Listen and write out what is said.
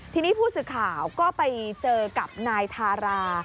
ทีนี้ผู้สื่อข่าวก็ไปเจอกับนายทารา